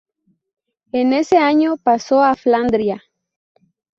En ese año pasó a Flandria.